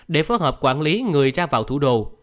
để phó hợp quản lý người ra vào thủ đồ